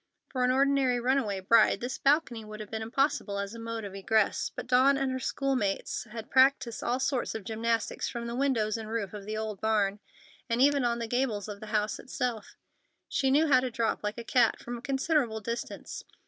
For an ordinary runaway bride, this balcony would have been impossible as a mode of egress; but Dawn and her schoolmates had practised all sorts of gymnastics from the windows and roof of the old barn, and even on the gables of the house itself. She knew how to drop like a cat from a considerable distance.